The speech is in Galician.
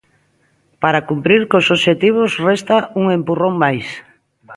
"Para cumprir cos obxectivos" resta "un empurrón máis".